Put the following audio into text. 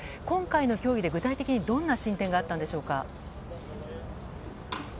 今回の協議で具体的にどんな進展があったのでしょうか？